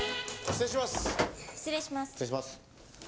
失礼します。